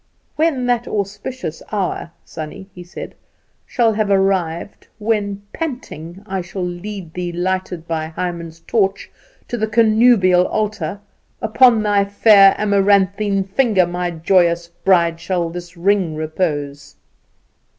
"When that auspicious hour, Sannie," he said, "shall have arrived, when, panting, I shall lead thee, lighted by Hymen's torch, to the connubial altar, then upon thy fair amaranthine finger, my joyous bride, shall this ring repose.